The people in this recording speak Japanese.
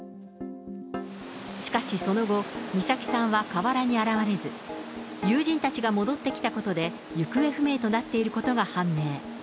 しかし、その後、美咲さんは河原に現れず、友人たちが戻ってきたことで、行方不明となっていることが判明。